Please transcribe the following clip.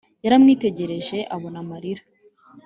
yaramwitegereje abona amarira